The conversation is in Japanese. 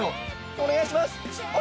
お願いします！